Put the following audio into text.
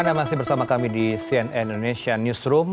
anda masih bersama kami di cnn indonesia newsroom